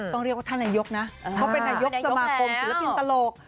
ต้องเรียกว่าท่านนายกนะเขาเป็นนายกสมาคมศิลปินตลก